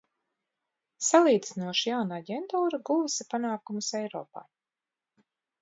Salīdzinoši jauna aģentūra guvusi panākumus Eiropā.